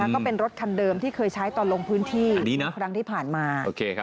ก็เป็นรถคันเดิมที่เคยใช้ตอนลงพื้นที่ครั้งที่ผ่านมา